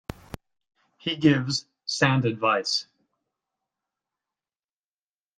He gives sound advice.